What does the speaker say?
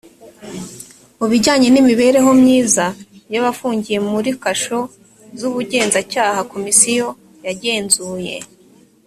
mu bijyanye n imibereho myiza y abafungiye muri kasho z ubugenzacyaha komisiyo yagenzuye